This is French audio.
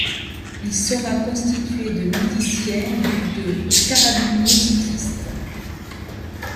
Il sera constitué de miliciens du de carabiniers-cyclistes.